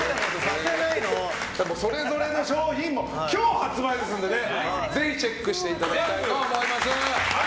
それぞれの商品も今日発売ですのでぜひチェックしていただきたいと思います。